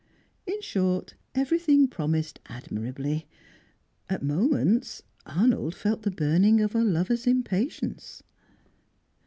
In short, everything promised admirably. At moments, Arnold felt the burning of a lover's impatience.